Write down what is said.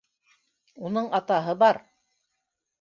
Уның атаһы бар.